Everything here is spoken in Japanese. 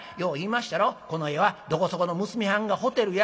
まっしゃろ『この絵はどこそこの娘はんがホテルや」。